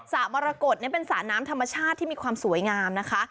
ระมรกฏเป็นสระน้ำธรรมชาติที่มีความสวยงามนะคะ